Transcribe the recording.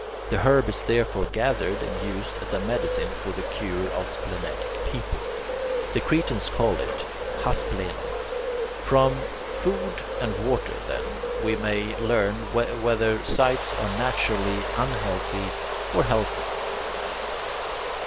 The herb is therefore gathered and used as a medicine for the cure of splenetic people. The Cretans call it [Greek: hasplenon]. From food and water, then, we may learn whether sites are naturally unhealthy or healthy.